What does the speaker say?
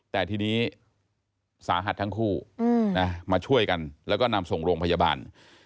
แต่ทีนี้สาหัสทั้งคู่มาช่วยกันแล้วก็นำส่งโรงพยาบาล